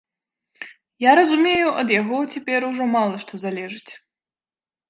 Я разумею, ад яго цяпер ужо мала што залежыць.